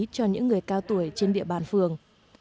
cho những người cao tuổi trên địa bàn phường